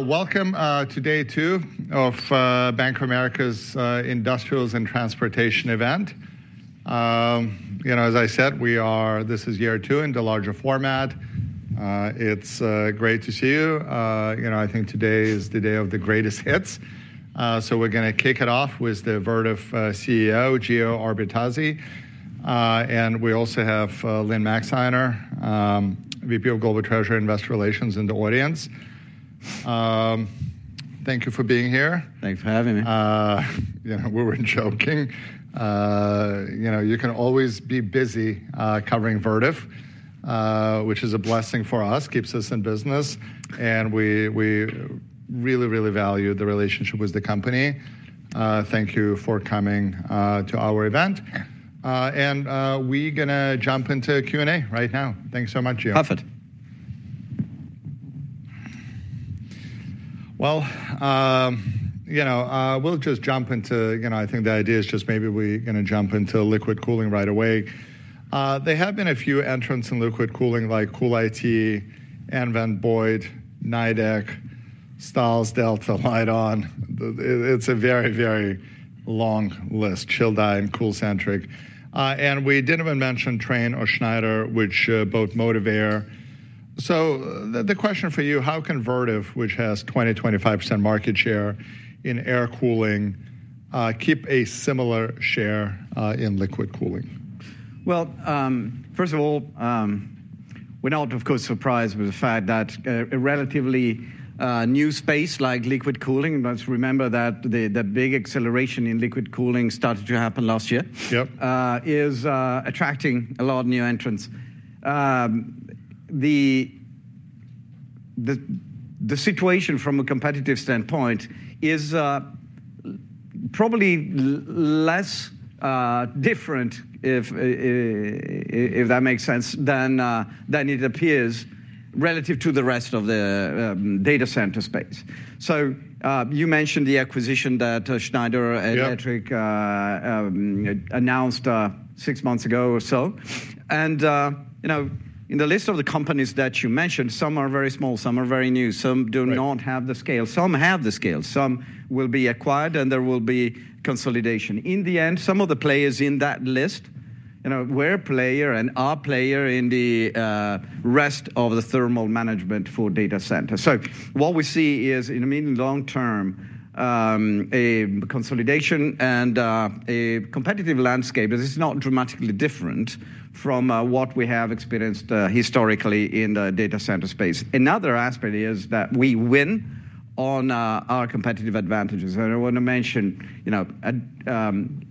Welcome to day two of Bank of America's Industrials and Transportation event. As I said, this is year two in the larger format. It's great to see you. I think today is the day of the greatest hits. So we're going to kick it off with the Vertiv CEO, Gio Albertazzi. And we also have Lynne Maxeiner, VP of Global Treasury and Investor Relations in the audience. Thank you for being here. Thanks for having me. We were joking. You can always be busy covering Vertiv, which is a blessing for us, keeps us in business. We really, really value the relationship with the company. Thank you for coming to our event. We are going to jump into Q&A right now. Thanks so much, Gio. Perfect. I think the idea is just maybe we're going to jump into liquid cooling right away. There have been a few entrants in liquid cooling, like CoolIT, Anand, Boyd, Nidec, STULZ, Delta, Lydon. It's a very, very long list, Chilled Iron, CoolCentric. And we didn't even mention Trane or Schneider, which both Motivair. So the question for you, how can Vertiv, which has 20%, 25% market share in air cooling, keep a similar share in liquid cooling? First of all, we're not, of course, surprised with the fact that a relatively new space like liquid cooling and let's remember that the big acceleration in liquid cooling started to happen last year is attracting a lot of new entrants. The situation from a competitive standpoint is probably less different, if that makes sense, than it appears relative to the rest of the data center space. You mentioned the acquisition that Schneider Electric announced six months ago or so. In the list of the companies that you mentioned, some are very small, some are very new, some do not have the scale, some have the scale, some will be acquired, and there will be consolidation. In the end, some of the players in that list were a player and are a player in the rest of the thermal management for data centers. What we see is, in the medium and long term, a consolidation and a competitive landscape that is not dramatically different from what we have experienced historically in the data center space. Another aspect is that we win on our competitive advantages. I want to mention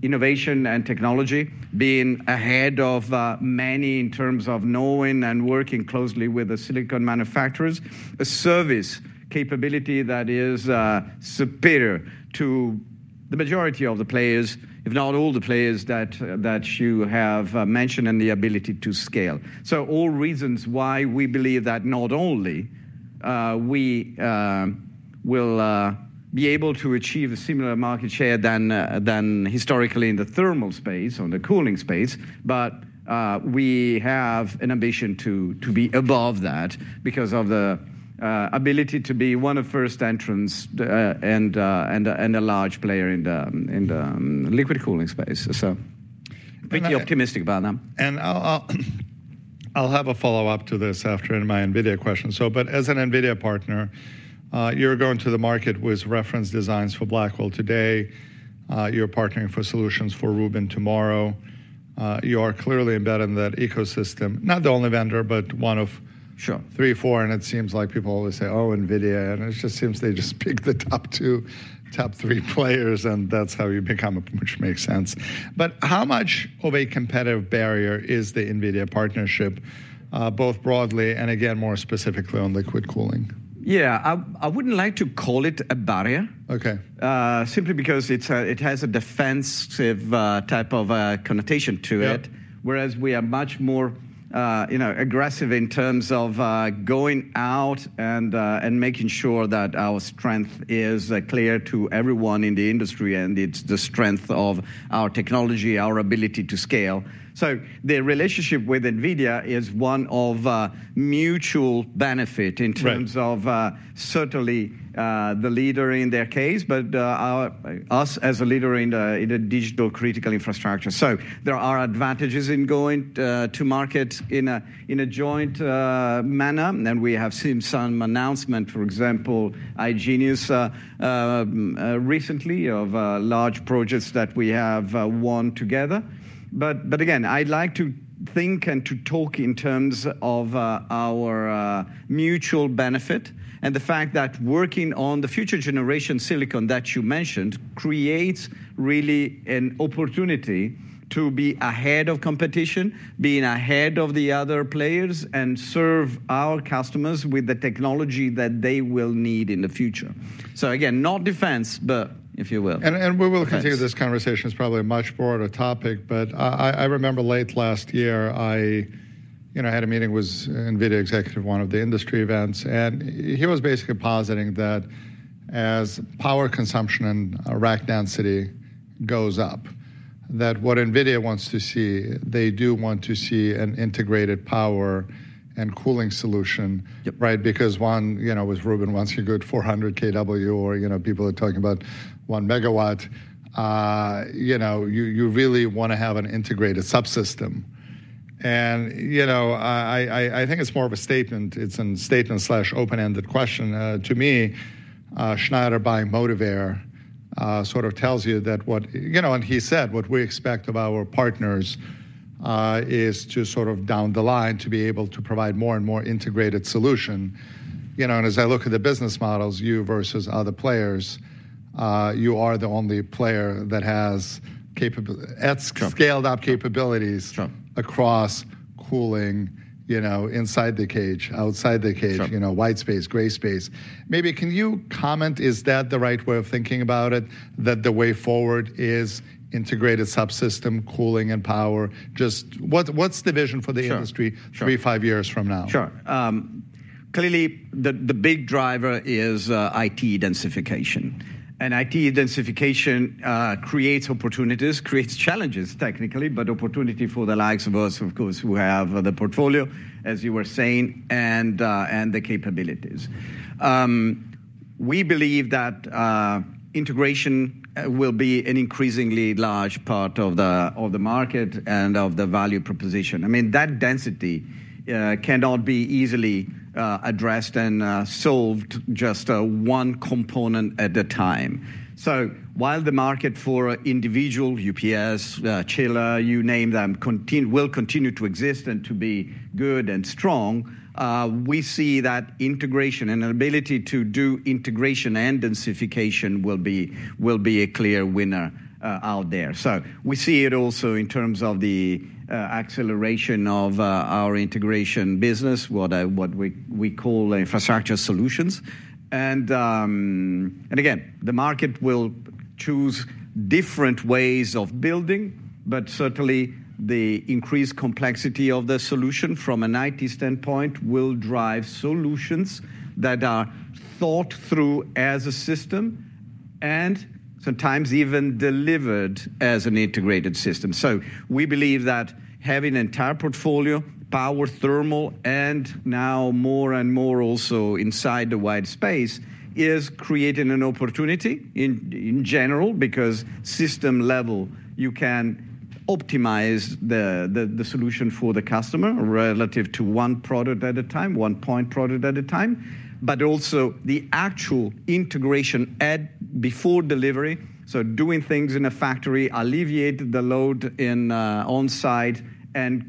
innovation and technology being ahead of many in terms of knowing and working closely with the silicon manufacturers, a service capability that is superior to the majority of the players, if not all the players that you have mentioned, and the ability to scale. All reasons why we believe that not only will we be able to achieve a similar market share than historically in the thermal space or the cooling space, but we have an ambition to be above that because of the ability to be one of the first entrants and a large player in the liquid cooling space. Pretty optimistic about that. I'll have a follow-up to this after my NVIDIA question. As an NVIDIA partner, you're going to the market with reference designs for Blackwell today. You're partnering for solutions for Rubin tomorrow. You are clearly embedded in that ecosystem, not the only vendor, but one of three, four. It seems like people always say, oh, NVIDIA. It just seems they just pick that up to top three players, and that's how you become, which makes sense. How much of a competitive barrier is the NVIDIA partnership, both broadly and, again, more specifically on liquid cooling? Yeah. I wouldn't like to call it a barrier. Okay. Simply because it has a defensive type of connotation to it, whereas we are much more aggressive in terms of going out and making sure that our strength is clear to everyone in the industry. It's the strength of our technology, our ability to scale. The relationship with NVIDIA is one of mutual benefit in terms of certainly the leader in their case, but us as a leader in the digital critical infrastructure. There are advantages in going to market in a joint manner. We have seen some announcement, for example, iGenius recently of large projects that we have won together. Again, I'd like to think and to talk in terms of our mutual benefit and the fact that working on the future generation silicon that you mentioned creates really an opportunity to be ahead of competition, being ahead of the other players, and serve our customers with the technology that they will need in the future. Again, not defense, but if you will. We will continue this conversation. It's probably a much broader topic. I remember late last year, I had a meeting with an NVIDIA executive at one of the industry events. He was basically positing that as power consumption and rack density goes up that what NVIDIA wants to see, they do want to see an integrated power and cooling solution, right? Because, one, with Rubin, once you're at 400 kW, or people are talking about 1 MW, you really want to have an integrated subsystem. I think it's more of a statement. It's a statement/.open-ended question. To me, Schneider by Motivair sort of tells you that what he said, what we expect of our partners is to sort of down the line be able to provide more and more integrated solution. As I look at the business models, you versus other players, you are the only player that has scaled-up capabilities across cooling inside the cage, outside the cage, white space, gray space. Maybe can you comment, is that the right way of thinking about it, that the way forward is integrated subsystem, cooling, and power? Just what's the vision for the industry three, five years from now? Sure. Clearly, the big driver is IT densification. And IT densification creates opportunities, creates challenges technically, but opportunity for the likes of us, of course, who have the portfolio, as you were saying, and the capabilities. We believe that integration will be an increasingly large part of the market and of the value proposition. I mean, that density cannot be easily addressed and solved just one component at a time. While the market for individual UPS chiller, you name them, will continue to exist and to be good and strong, we see that integration and ability to do integration and densification will be a clear winner out there. We see it also in terms of the acceleration of our integration business, what we call infrastructure solutions. Again, the market will choose different ways of building, but certainly the increased complexity of the solution from an IT standpoint will drive solutions that are thought through as a system and sometimes even delivered as an integrated system. We believe that having an entire portfolio, power, thermal, and now more and more also inside the white space is creating an opportunity in general because system level, you can optimize the solution for the customer relative to one product at a time, one point product at a time, but also the actual integration before delivery so doing things in a factory alleviates the load on-site, and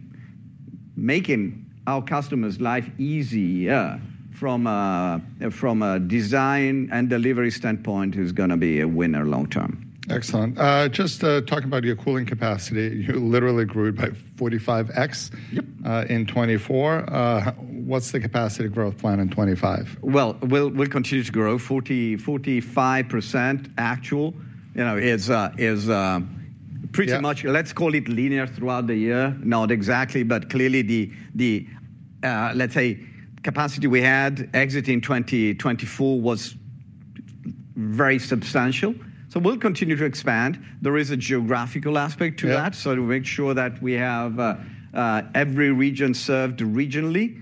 making our customers' life easier from a design and delivery standpoint is going to be a winner long term. Excellent. Just talking about your cooling capacity, you literally grew by 45x in 2024. What's the capacity growth plan in 2025? We will continue to grow. 45% actual is a pretty much, let's call it linear throughout the year, not exactly, but clearly the, let's say, capacity we had exiting 2024 was very substantial. We will continue to expand. There is a geographical aspect to that. We make sure that we have every region served regionally,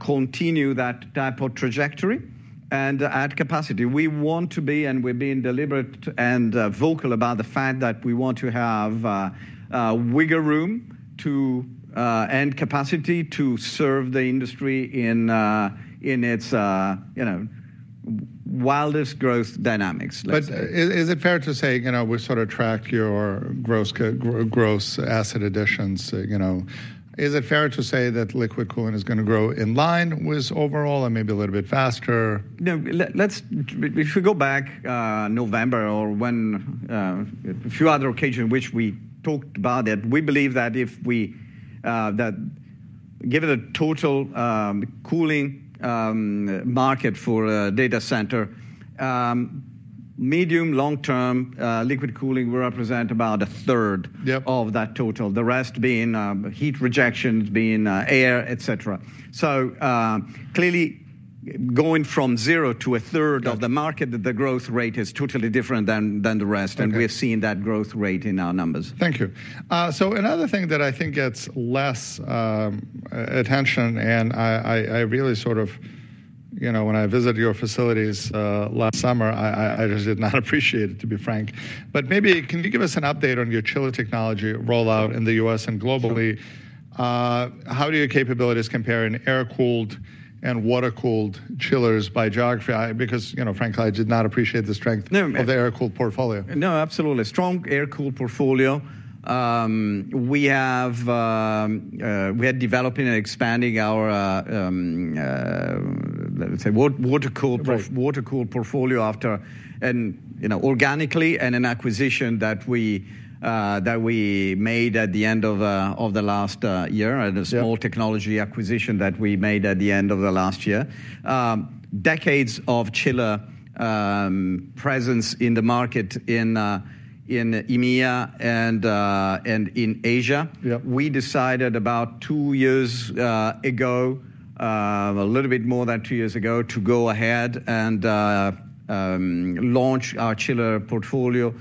continue that type of trajectory and add capacity. We want to be, and we have been deliberate and vocal about the fact that we want to have wiggle room and capacity to serve the industry in its wildest growth dynamics. Is it fair to say we sort of track your gross asset additions? Is it fair to say that liquid cooling is going to grow in line with overall and maybe a little bit faster? No. If we go back November or a few other occasions in which we talked about it, we believe that given the total cooling market for data center, medium long-term liquid cooling will represent about a third of that total, the rest being heat rejections, being air, et cetera. Clearly, going from zero to a third of the market, the growth rate is totally different than the rest. We have seen that growth rate in our numbers. Thank you. Another thing that I think gets less attention, and I really sort of when I visited your facilities last summer, I just did not appreciate it, to be frank. Maybe can you give us an update on your chiller technology rollout in the U.S. and globally? How do your capabilities compare in air-cooled and water-cooled chillers by geography? Frankly, I did not appreciate the strength of the air-cooled portfolio. No, absolutely. Strong air-cooled portfolio. We are developing and expanding our, let's say, water-cooled portfolio after organically and an acquisition that we made at the end of last year and a small technology acquisition that we made at the end of last year. Decades of chiller presence in the market in EMEA and in Asia. We decided about two years ago, a little bit more than two years ago, to go ahead and launch our chiller portfolio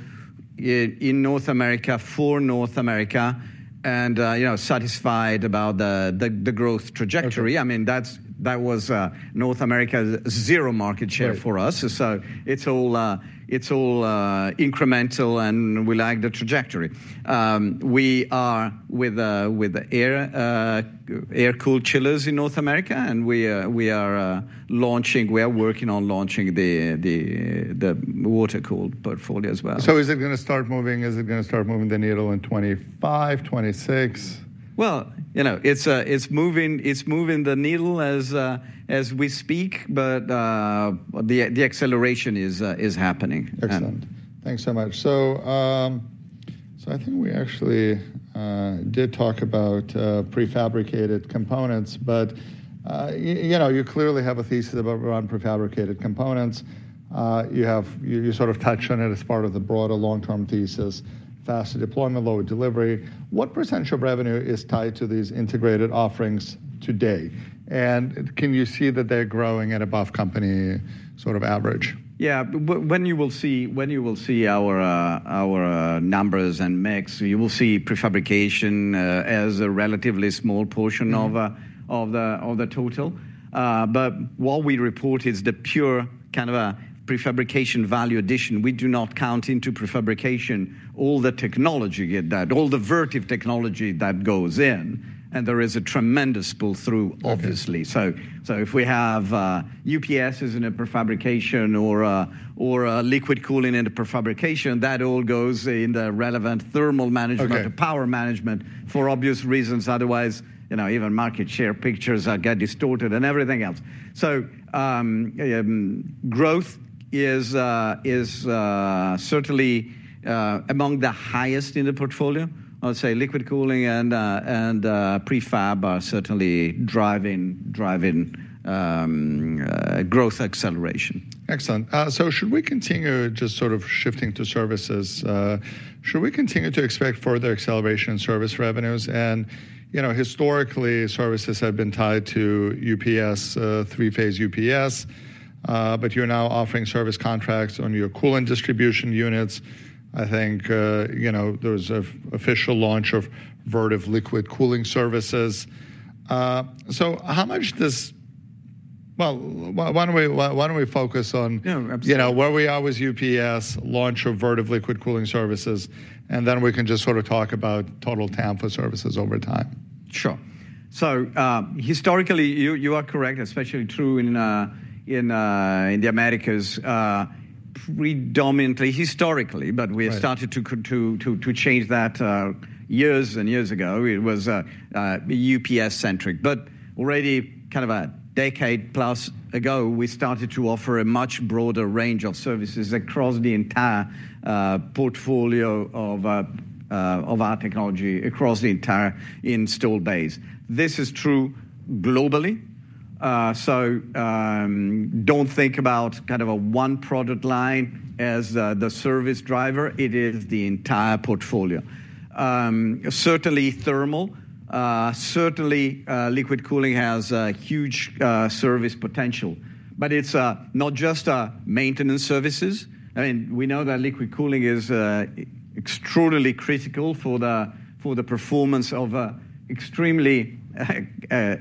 in North America for North America and satisfied about the growth trajectory. I mean, that was North America's zero market share for us. So it's all incremental, and we like the trajectory. We are with air-cooled chillers in North America, and we are launching, we are working on launching the water-cooled portfolio as well. Is it going to start moving? Is it going to start moving the needle in 2025, 2026? It is moving the needle as we speak, but the acceleration is happening. Excellent. Thanks so much. I think we actually did talk about prefabricated components, but you clearly have a thesis about prefabricated components. You sort of touched on it as part of the broader long-term thesis, faster deployment, lower delivery. What percentage of revenue is tied to these integrated offerings today? Can you see that they're growing at above company sort of average? Yeah. When you will see our numbers and mix, you will see prefabrication as a relatively small portion of the total. What we report is the pure kind of prefabrication value addition. We do not count into prefabrication all the technology that, all the Vertiv technology that goes in. There is a tremendous pull-through, obviously. If we have UPSs in a prefabrication or liquid cooling in a prefabrication, that all goes in the relevant thermal management, power management for obvious reasons. Otherwise, even market share pictures get distorted and everything else. Growth is certainly among the highest in the portfolio. I would say liquid cooling and prefab are certainly driving growth acceleration. Excellent. Should we continue just sort of shifting to services? Should we continue to expect further acceleration in service revenues? Historically, services have been tied to UPS, three-phase UPS, but you're now offering service contracts on your cooling distribution units. I think there was an official launch of Vertiv liquid cooling services. How much does, why don't we focus on where we are with UPS, launch of Vertiv liquid cooling services, and then we can just sort of talk about total TAM services over time? Sure. Historically, you are correct, especially true in the Americas, predominantly historically, but we started to change that years and years ago. It was UPS-centric. Already kind of a decade plus ago, we started to offer a much broader range of services across the entire portfolio of our technology across the entire install base. This is true globally. Do not think about kind of one product line as the service driver. It is the entire portfolio. Certainly thermal, certainly liquid cooling has a huge service potential, but it is not just maintenance services. I mean, we know that liquid cooling is extraordinarily critical for the performance of extremely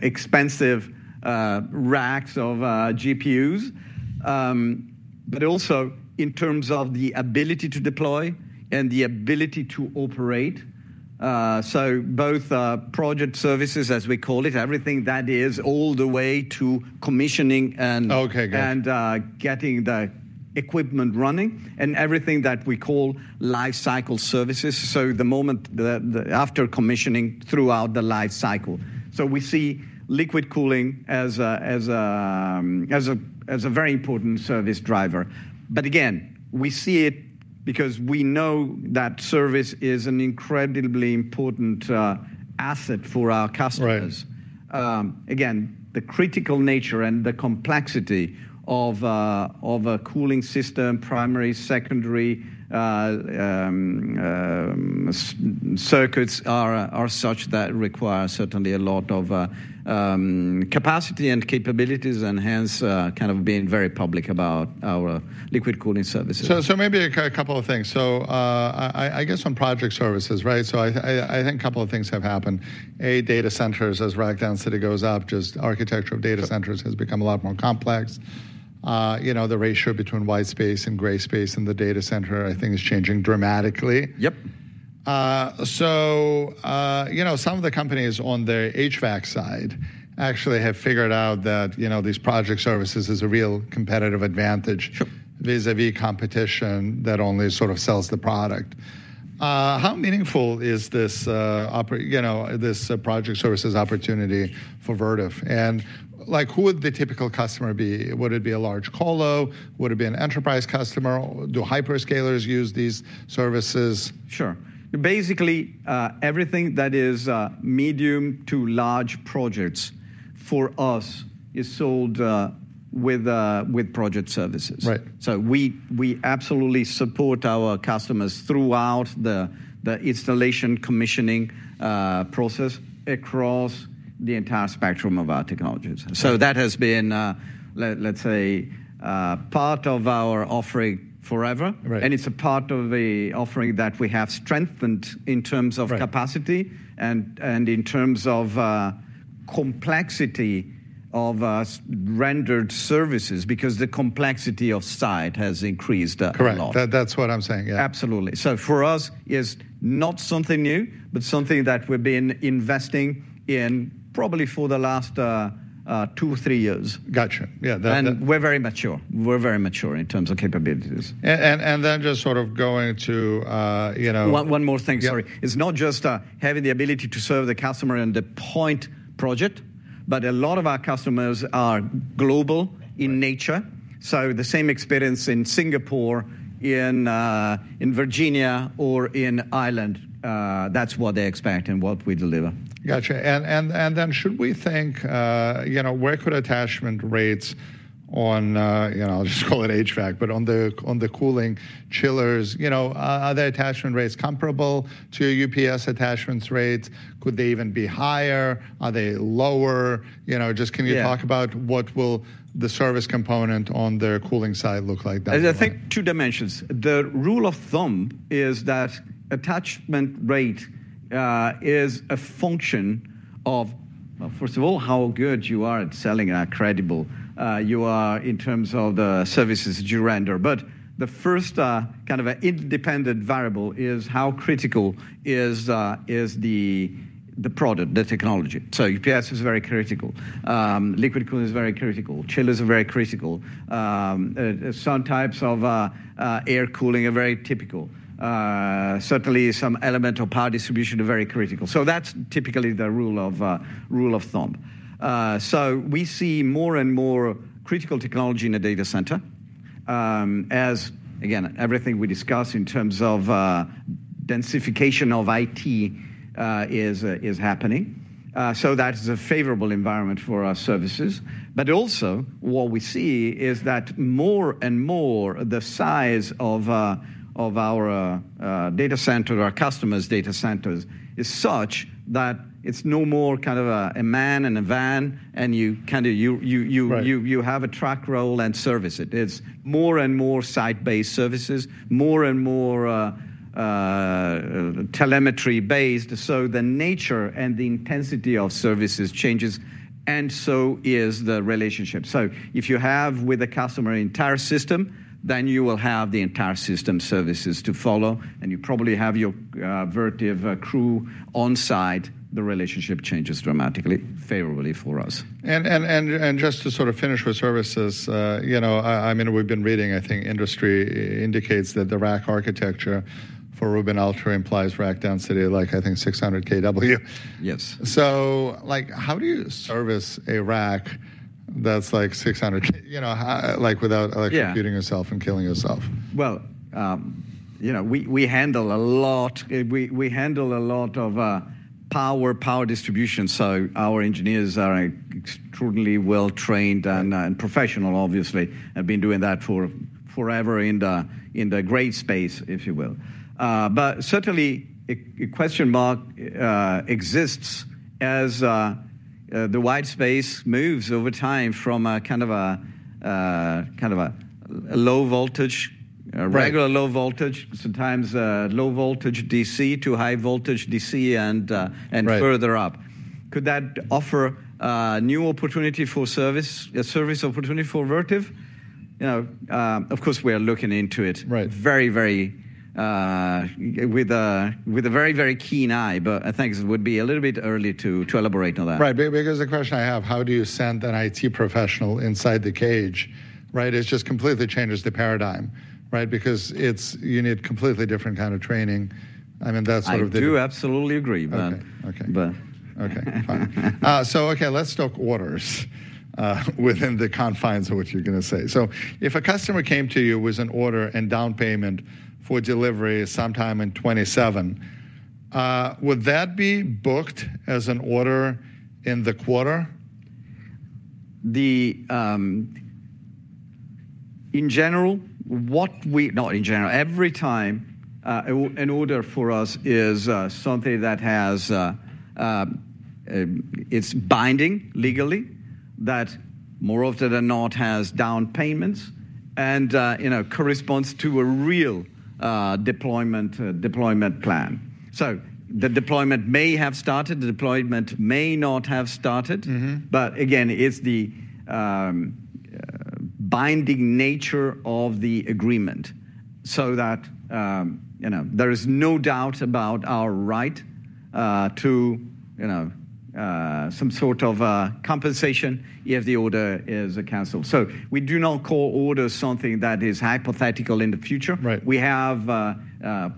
expensive racks of GPUs, but also in terms of the ability to deploy and the ability to operate. Both project services, as we call it, everything that is all the way to commissioning and getting the equipment running, and everything that we call life cycle services so the moment after commissioning throughout the life cycle. We see liquid cooling as a very important service driver. Again, we see it because we know that service is an incredibly important asset for our customers. The critical nature and the complexity of a cooling system, primary, secondary circuits, are such that require certainly a lot of capacity and capabilities and hence kind of being very public about our liquid cooling services. Maybe a couple of things. I guess on project services, right? I think a couple of things have happened. A, data centers has rack down, density goes up, just architecture of data centers has become a lot more complex. The ratio between white space and gray space in the data center, I think, is changing dramatically. Some of the companies on the HVAC side actually have figured out that these project services is a real competitive advantage vis-à-vis competition that only sort of sells the product. How meaningful is this project services opportunity for Vertiv? Who would the typical customer be? Would it be a large colo? Would it be an enterprise customer? Do hyperscalers use these services? Sure. Basically, everything that is medium to large projects for us is sold with project services. We absolutely support our customers throughout the installation and commissioning process across the entire spectrum of our technologies. That has been, let's say, part of our offering forever. It is a part of the offering that we have strengthened in terms of capacity and in terms of complexity of rendered services because the complexity of site has increased a lot. Correct. That's what I'm saying. Yeah. Absolutely. For us, it's not something new, but something that we've been investing in probably for the last two or three years. Gotcha. Yeah. We're very mature. We're very mature in terms of capabilities. Just sort of going to. One more thing, sorry. It's not just having the ability to serve the customer and the point project, but a lot of our customers are global in nature. So the same experience in Singapore, in Virginia, or in Ireland, that's what they expect and what we deliver. Gotcha. Should we think, where could attachment rates on, I'll just call it HVAC, but on the cooling chillers, are the attachment rates comparable to UPS attachment rates? Could they even be higher? Are they lower? Just can you talk about what will the service component on the cooling side look like? I think two dimensions. The rule of thumb is that attachment rate is a function of, first of all, how good you are at selling, how credible you are in terms of the services you render. The first kind of independent variable is how critical is the product, the technology. UPS is very critical. Liquid cooling is very critical. Chillers are very critical. Some types of air cooling are very critical. Certainly, some element of power distribution are very critical. That is typically the rule of thumb. We see more and more critical technology in a data center as, again, everything we discuss in terms of densification of IT is happening. That is a favorable environment for our services. Also, what we see is that more and more the size of our data center, our customers' data centers is such that it's no more kind of a man and a van, and you have a truck roll and service it. It's more and more site-based services, more and more telemetry-based. The nature and the intensity of services changes, and so is the relationship. If you have with a customer an entire system, then you will have the entire system services to follow, and you probably have your Vertiv crew on site. The relationship changes dramatically, favorably for us. Just to sort of finish with services, I mean, we've been reading, I think industry indicates that the rack architecture for Rubin implies rack density like, I think, 600 kW. How do you service a rack that's like 600 kW without electrocuting yourself and killing yourself? We handle a lot. We handle a lot of power, power distribution. Our engineers are extraordinarily well-trained and professional, obviously, have been doing that forever in the gray space, if you will. Certainly, a question mark exists as the white space moves over time from kind of a low voltage, regular low voltage, sometimes low voltage DC to high voltage DC and further up. Could that offer a new opportunity for service, a service opportunity for Vertiv? Of course, we are looking into it very, very with a very, very keen eye, but I think it would be a little bit early to elaborate on that. Right. Because the question I have, how do you send an IT professional inside the cage, right? It just completely changes the paradigm, right? Because you need a completely different kind of training. I mean, that's sort of the. I do absolutely agree, man. Okay. Okay. Fine. Okay, let's talk orders within the confines of what you're going to say. If a customer came to you with an order and down payment for delivery sometime in 2027, would that be booked as an order in the quarter? In general, every time, an order for us is something that, has its binding legally, that more often than not has down payments and corresponds to a real deployment plan. The deployment may have started. The deployment may not have started. Again, it is the binding nature of the agreement so that there is no doubt about our right to some sort of compensation if the order is canceled. We do not call orders something that is hypothetical in the future. We have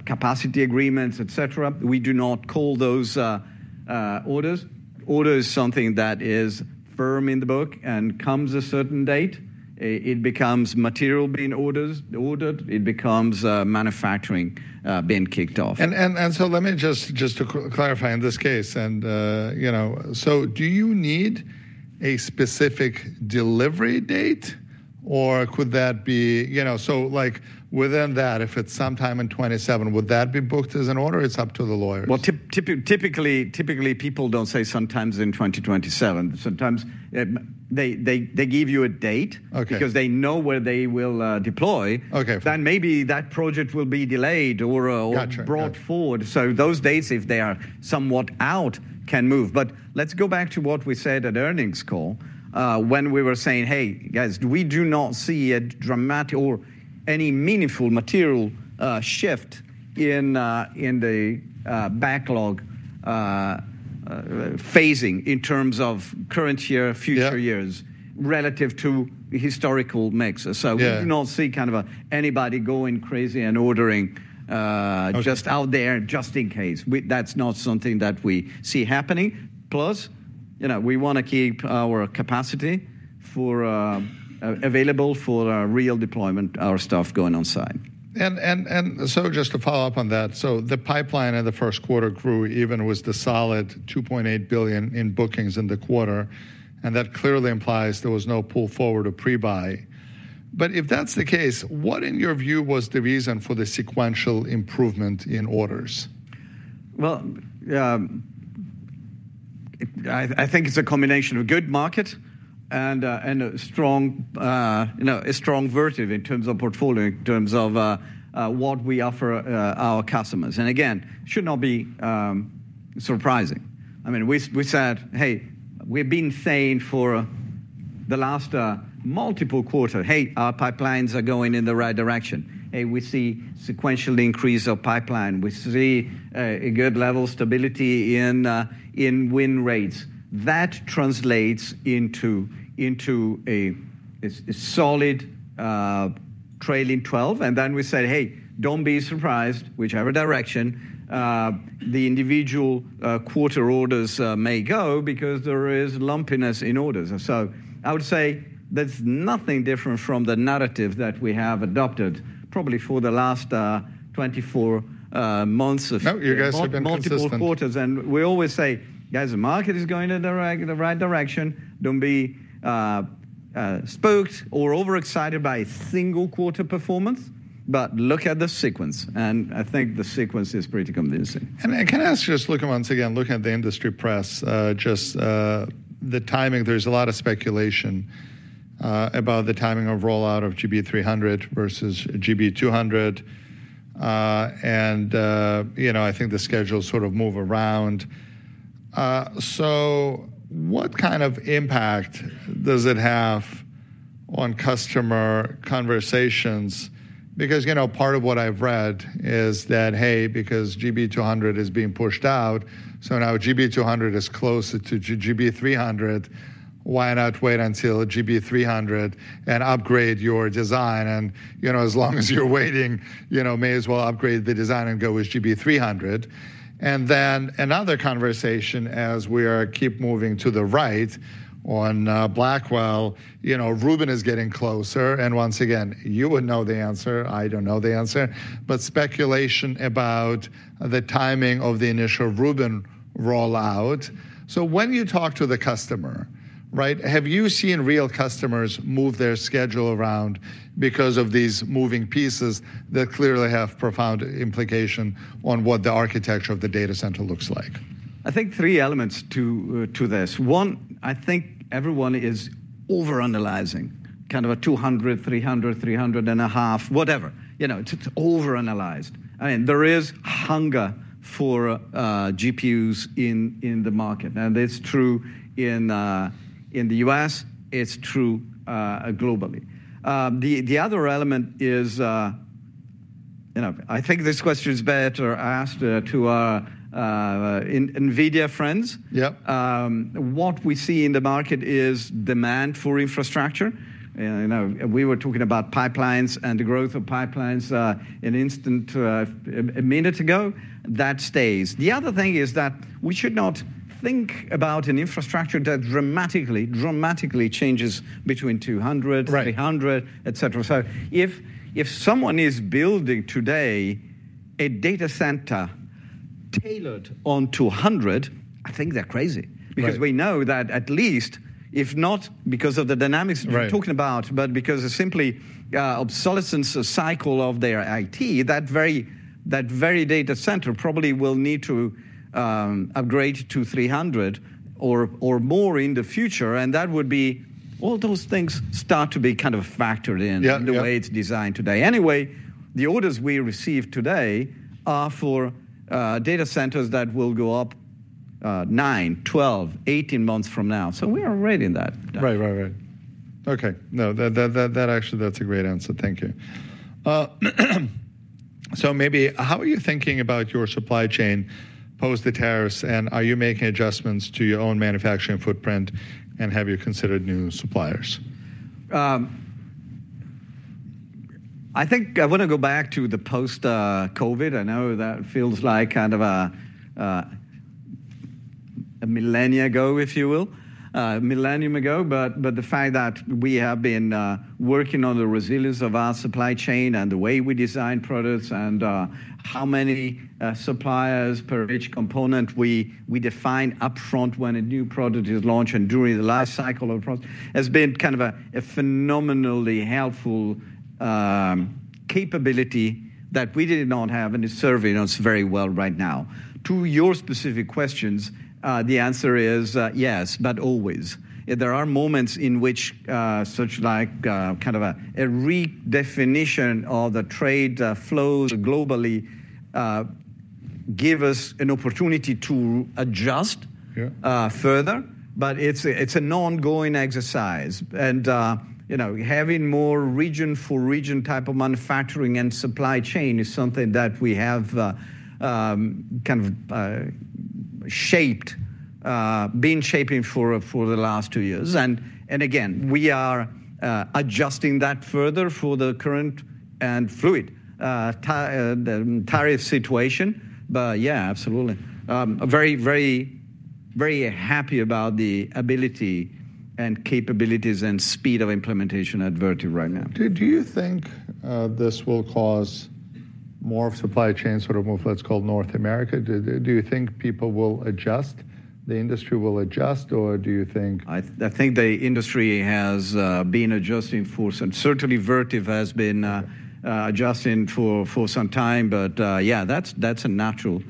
capacity agreements, et cetera. We do not call those orders. Order is something that is firm in the book and comes a certain date. It becomes material being ordered. It becomes manufacturing being kicked off. Let me just clarify in this case. Do you need a specific delivery date, or could that be within that, if it is sometime in 2027, would that be booked as an order? It is up to the lawyers. Typically, people do not say sometimes in 2027. Sometimes they give you a date because they know where they will deploy. Then maybe that project will be delayed or brought forward. Those dates, if they are somewhat out, can move. Let's go back to what we said at earnings call when we were saying, hey, guys, we do not see a dramatic or any meaningful material shift in the backlog phasing in terms of current year, future years relative to historical mix. We do not see kind of anybody going crazy and ordering just out there just in case. That is not something that we see happening. Plus, we want to keep our capacity available for real deployment, our stuff going on site. Just to follow up on that, the pipeline in the first quarter grew even with the solid $2.8 billion in bookings in the quarter. That clearly implies there was no pull forward or pre-buy. If that's the case, what in your view was the reason for the sequential improvement in orders? I think it's a combination of good market and a strong Vertiv in terms of portfolio, in terms of what we offer our customers and again it should not be surprising. I mean, we said, hey, we've been saying for the last multiple quarters, hey, our pipelines are going in the right direction. Hey, we see sequential increase of pipeline. We see a good level of stability in win rates. That translates into a solid trailing 12. We said, hey, don't be surprised, whichever direction the individual quarter orders may go because there is lumpiness in orders. I would say there's nothing different from the narrative that we have adopted probably for the last 24 months or so. No, you guys have been consistent. Twenty-four quarters. We always say, guys, the market is going in the right direction. Do not be spooked or overexcited by a single quarter performance, but look at the sequence. I think the sequence is pretty convincing. Can I ask you, just looking once again, looking at the industry press, just the timing, there is a lot of speculation about the timing of rollout of GB300 versus GB200. I think the schedules sort of move around. What kind of impact does it have on customer conversations? Because part of what I have read is that, hey, because GB200 is being pushed out, now GB200 is closer to GB300, why not wait until GB300 and upgrade your design? As long as you are waiting, may as well upgrade the design and go with GB300. Another conversation, as we keep moving to the right on Blackwell, Rubin is getting closer. Once again, you would know the answer. I do not know the answer, but there is speculation about the timing of the initial Rubin rollout. When you talk to the customer, right, have you seen real customers move their schedule around because of these moving pieces that clearly have profound implication on what the architecture of the data center looks like? I think three elements to this. One, I think everyone is overanalyzing kind of a 200, 300, 350, whatever. It is overanalyzed. I mean, there is hunger for GPUs in the market. And it is true in the U.S. It is true globally. The other element is I think this question is better asked to our NVIDIA friends. What we see in the market is demand for infrastructure. We were talking about pipelines and the growth of pipelines an instant, a minute ago. That stays. The other thing is that we should not think about an infrastructure that dramatically, dramatically changes between 200, 300, et cetera. If someone is building today a data center tailored on 200, I think they're crazy because we know that at least, if not because of the dynamics we're talking about, but because of simply obsolescence of cycle of their IT, that very data center probably will need to upgrade to 300 or more in the future. That would be all those things start to be kind of factored in the way it's designed today. Anyway, the orders we receive today are for data centers that will go up 9, 12, 18 months from now. We are ready in that. Right, right, right. Okay. No, that actually, that's a great answer. Thank you. Maybe how are you thinking about your supply chain post the tariffs, and are you making adjustments to your own manufacturing footprint, and have you considered new suppliers? I think I want to go back to the post-COVID. I know that feels like kind of a millennia ago, if you will, a millennium ago. The fact that we have been working on the resilience of our supply chain and the way we design products and how many suppliers per each component we define upfront when a new product is launched and during the last cycle of product has been kind of a phenomenally helpful capability that we did not have and is serving us very well right now. To your specific questions, the answer is yes, but always. There are moments in which such like kind of a redefinition of the trade flows globally give us an opportunity to adjust further, but it is an ongoing exercise. Having more region-for-region type of manufacturing and supply chain is something that we have kind of shaped, been shaping for the last two years. Again, we are adjusting that further for the current and fluid tariff situation. Yeah, absolutely, and very, very, very happy about the ability and capabilities and speed of implementation at Vertiv right now. Do you think this will cause more of a supply chain sort of move, let's call North America? Do you think people will adjust, the industry will adjust, or do you think? I think the industry has been adjusting for some, certainly, Vertiv has been adjusting for some time, but yeah, that's a natural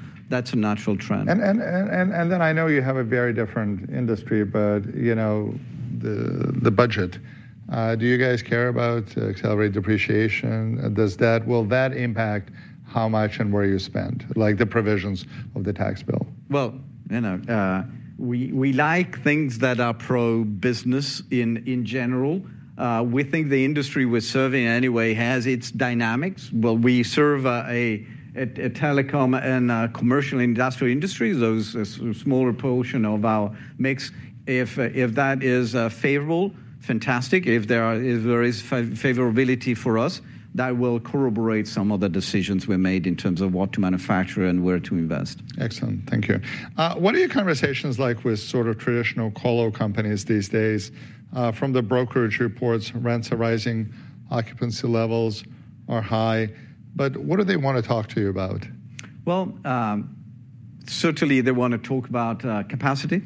trend. I know you have a very different industry, but the budget, do you guys care about accelerated depreciation? Will that impact how much and where you spend, like the provisions of the tax bill? We like things that are pro-business in general. We think the industry we are serving anyway has its dynamics. We serve a telecom and commercial industrial industry, those are a smaller portion of our mix. If that is favorable, fantastic. If there is favorability for us, that will corroborate some of the decisions we made in terms of what to manufacture and where to invest. Excellent. Thank you. What are your conversations like with sort of traditional Colo companies these days, from the brokerage reports, rents are rising, occupancy levels are high. What do they want to talk to you about? Certainly they want to talk about capacity.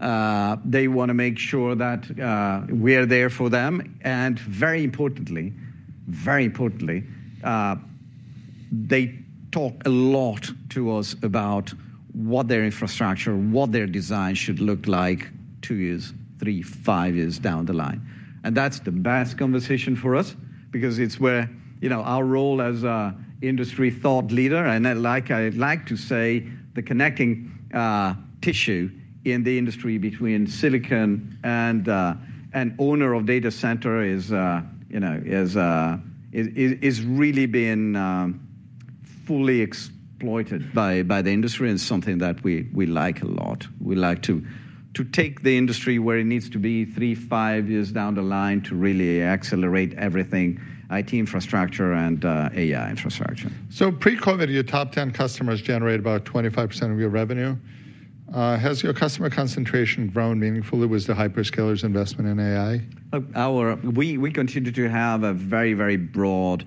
They want to make sure that we are there for them. Very importantly, very importantly, they talk a lot to us about what their infrastructure, what their design should look like two years, three, five years down the line. That is the best conversation for us because it is where our role as an industry thought leader, and like I like to say, the connecting tissue in the industry between silicon and owner of data center is really being fully exploited by the industry and something that we like a lot. We like to take the industry where it needs to be three, five years down the line to really accelerate everything, IT infrastructure and AI infrastructure. Pre-COVID, your top 10 customers generated about 25% of your revenue. Has your customer concentration grown meaningfully with the hyperscalers' investment in AI? We continue to have a very, very broad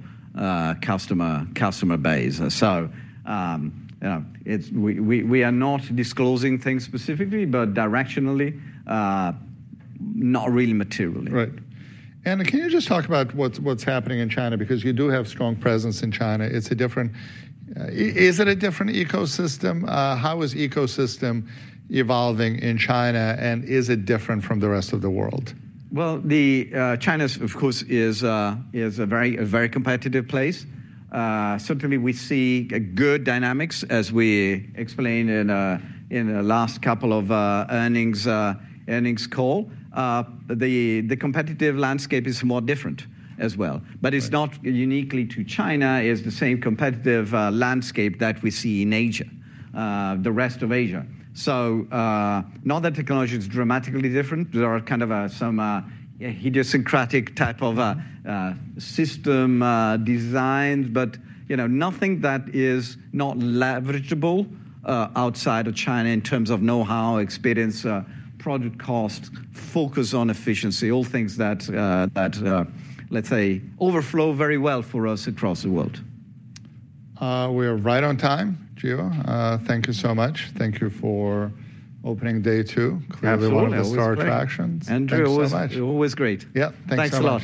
customer base. We are not disclosing things specifically, but directionally, not really materially. Right. Can you just talk about what's happening in China because you do have strong presence in China? Is it a different ecosystem? How is ecosystem evolving in China? Is it different from the rest of the world? China, of course, is a very competitive place. Certainly, we see good dynamics as we explained in the last couple of earnings calls. The competitive landscape is more different as well, but it is not unique to China. It is the same competitive landscape that we see in Asia, the rest of Asia. Not that technology is dramatically different. There are kind of some idiosyncratic type of system designs, but nothing that is not leverageable outside of China in terms of know-how, experience, product costs, focus on efficiency, all things that, let's say, overflow very well for us across the world. We are right on time, Gio. Thank you so much. Thank you for opening day two. Clearly, we'll start tractions. Andrew, you're always great. Thanks a lot. Yeah.. Thanks so much.